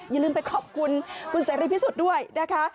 อย่าลืมไปขอบคุณคุณเสรีพิสุทธิ์ด้วยนะคะ